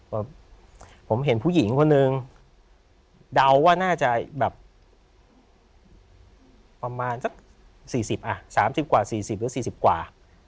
แบบผมเห็นผู้หญิงคนหนึ่งเดาว่าน่าจะแบบประมาณสัก๔๐อ่ะ๓๐กว่า๔๐หรือ๔๐กว่า